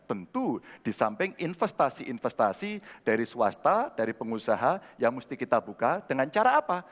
tentu di samping investasi investasi dari swasta dari pengusaha yang mesti kita buka dengan cara apa